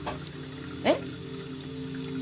えっ？